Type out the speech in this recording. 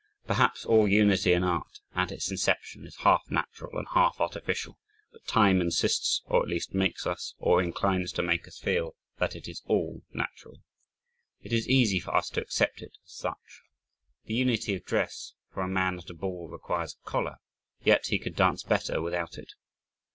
Perhaps all unity in art, at its inception, is half natural and half artificial but time insists, or at least makes us, or inclines to make us feel that it is all natural. It is easy for us to accept it as such. The "unity of dress" for a man at a ball requires a collar, yet he could dance better without it.